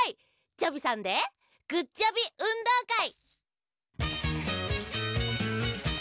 チョビさんで「グッチョビうんどうかい」。